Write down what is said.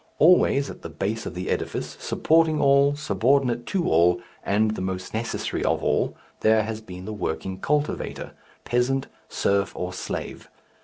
Always at the base of the edifice, supporting all, subordinate to all, and the most necessary of all, there has been the working cultivator, peasant, serf, or slave.